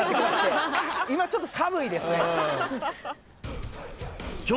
今ちょっと寒いですね。